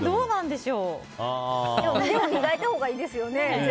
でも磨いたほうがいいですよね。